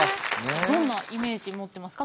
どんなイメージ持ってますか？